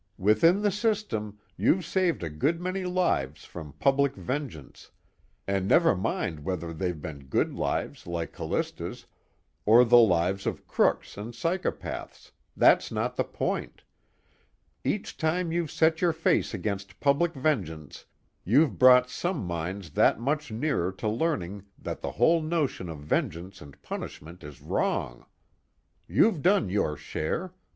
Within the system, you've saved a good many lives from public vengeance and never mind whether they've been good lives like Callista's, or the lives of crooks and psychopaths, that's not the point. Each time you've set your face against public vengeance, you've brought some minds that much nearer to learning that the whole notion of vengeance and punishment is wrong. You've done your share.